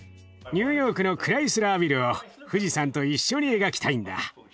ニューヨークのクライスラービルを富士山と一緒に描きたいんだ。